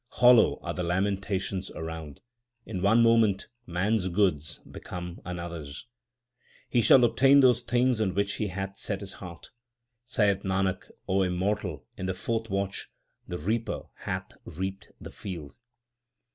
Hollow are the lamentations around. In one moment man s goods become another s. He shall obtain those things on which he hath set his heart. 1 Saith Nanak, O mortal, in the fourth watch the reaper hath reaped the field.